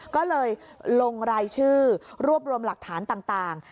ก็เลยลงรายชื่อรวบรวมหลักฐานต่าง